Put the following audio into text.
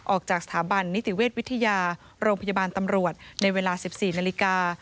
ออกจากสถาบันนิติเวชวิทยาโรงพยาบาลตำรวจในเวลา๑๔นาฬิกา